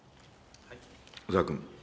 小沢君。